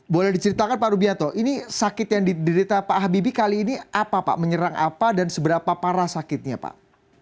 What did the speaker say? boleh diceritakan pak rubianto ini sakit yang diderita pak habibie kali ini apa pak menyerang apa dan seberapa parah sakitnya pak